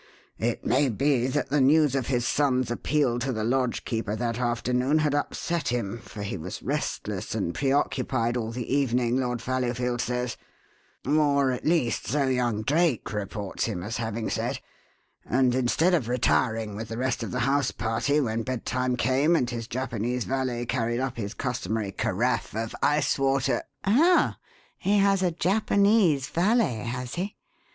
It may be that the news of his son's appeal to the lodgekeeper that afternoon had upset him, for he was restless and preoccupied all the evening, Lord Fallowfield says or, at least, so young Drake reports him as having said and instead of retiring with the rest of the house party when bedtime came and his Japanese valet carried up his customary carafe of ice water " "Oh, he has a Japanese valet, has he?